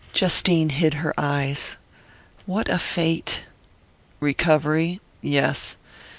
Justine hid her eyes. "What a fate!" "Recovery? Yes.